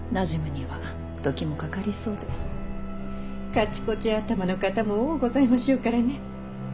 かちこち頭の方も多うございましょうからね。